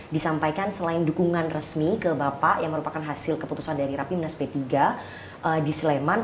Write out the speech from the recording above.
disampaikan selain dukungan resmi ke bapak yang merupakan hasil keputusan dari rapimnas p tiga di sleman